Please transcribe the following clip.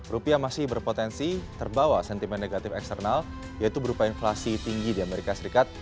rupiah masih berpotensi terbawa sentimen negatif eksternal yaitu berupa inflasi tinggi di amerika serikat